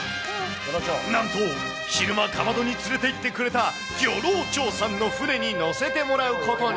なんと昼間、カマドに連れていってくれた漁労長さんの船に乗せてもらうことに。